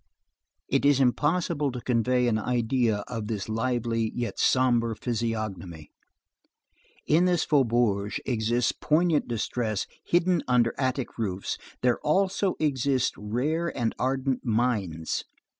It is impossible to convey an idea of this lively yet sombre physiognomy. In this faubourg exists poignant distress hidden under attic roofs; there also exist rare and ardent minds.